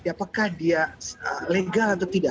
apakah dia legal atau tidak